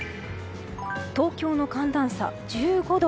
東京の寒暖差、１５度。